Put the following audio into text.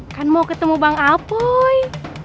kan mau ketemu bang apoy